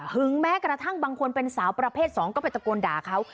แม้กระทั่งบางคนเป็นสาวประเภท๒ก็ไปตะโกนด่าเขา